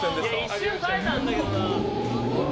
一瞬耐えたんだけどな。